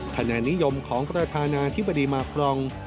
คะแนนนิยมของประธานาธิบดีมากรอง